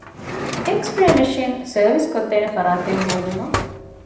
އެކްރޭ މެޝިން ސަރވިސްކޮށްދޭނެ ފަރާތެއް ހޯދުމަށް